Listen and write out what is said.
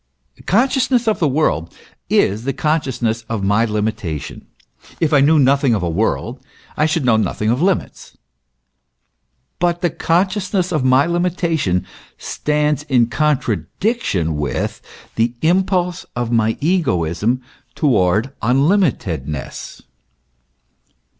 Consciousness of the world is the consciousness of my limi tation ; if I knew nothing of a world, I should know nothing of limits : hut the consciousness of my limitation stands in contradiction with the impulse of my egoism towards unli mitedness.